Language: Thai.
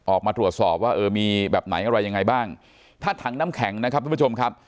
ออกมาตรวจสอบว่าเออมีแบบไหนอะไรยังไงบ้างถ้าถังน้ำแข็งนะครับทุกผู้ชมครับ